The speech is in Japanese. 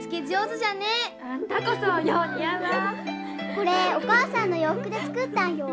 これお母さんの洋服で作ったんよ。